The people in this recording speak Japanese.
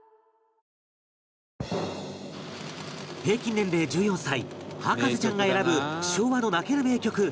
平均年齢１４歳博士ちゃんが選ぶ昭和の泣ける名曲